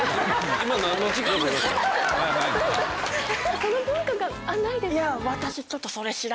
その文化がないですか？